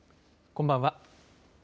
こんばんは。